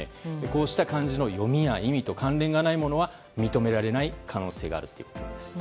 こうした漢字の読みや意味と関連がないものは認められない可能性があるということです。